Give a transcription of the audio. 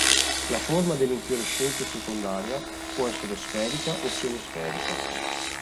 La forma dell'“infiorescenza secondaria” può essere sferica o semisferica.